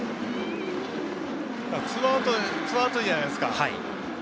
ツーアウトじゃないですか。